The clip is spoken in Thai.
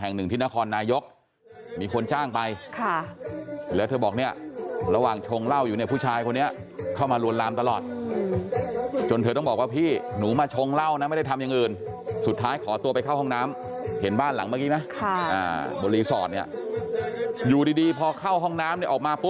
เห็นบ้านหลังเมื่อกี้นะบนรีสอร์ตเนี่ยอยู่ดีพอเข้าห้องน้ำเนี่ยออกมาปุ๊บ